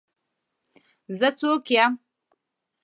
زه څوک یم.